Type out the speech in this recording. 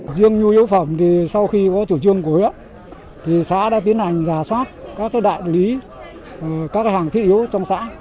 riêng nhu yếu phẩm thì sau khi có chủ trương của huyết thì xã đã tiến hành giả soát các cái đại lý các cái hàng thiết yếu trong xã